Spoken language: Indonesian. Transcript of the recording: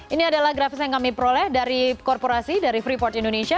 ini adalah grafis yang kami peroleh dari korporasi dari freeport indonesia